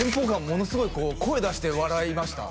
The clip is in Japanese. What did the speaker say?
ものすごい声出して笑いました